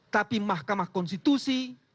tapi mahkamah konstitusi